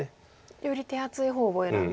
より手厚い方を選んでますか。